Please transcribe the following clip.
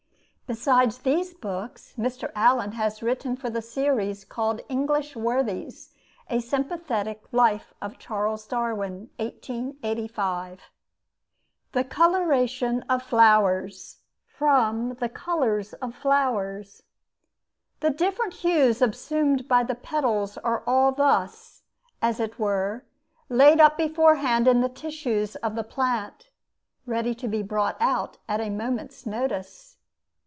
Besides these books, Mr. Allen has written for the series called 'English Worthies' a sympathetic 'Life of Charles Darwin' (1885). THE COLORATION OF FLOWERS From 'The Colors of Flowers' The different hues assumed by petals are all thus, as it were, laid up beforehand in the tissues of the plant, ready to be brought out at a moment's notice.